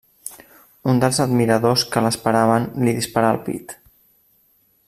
Un dels admiradors que l'esperaven li dispara al pit.